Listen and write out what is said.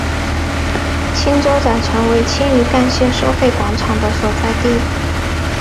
青洲仔成为青屿干线收费广场的所在地。